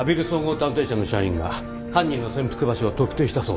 探偵社の社員が犯人の潜伏場所を特定したそうだ。